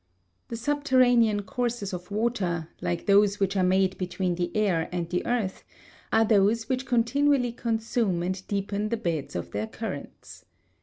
The subterranean courses of water, like those which are made between the air and the earth, are those which continually consume and deepen the beds of their currents.